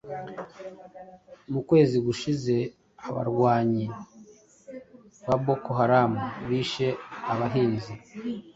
Mu kwezi gushize, abarwanyi ba Boko Haram bishe abahinzi